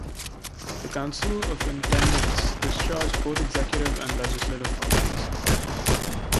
The Council of Intendentes discharged both Executive and Legislative functions.